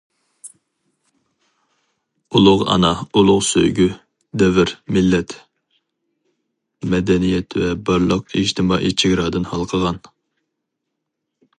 ئۇلۇغ ئانا، ئۇلۇغ سۆيگۈ، دەۋر، مىللەت، مەدەنىيەت ۋە بارلىق ئىجتىمائىي چېگرادىن ھالقىغان.